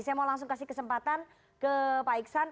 saya mau langsung kasih kesempatan ke pak iksan